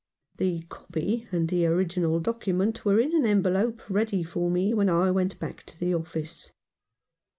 The copy and the original document were in an envelope ready for me when I went back to the office.